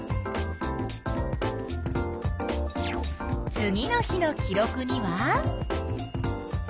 次の日の記録には？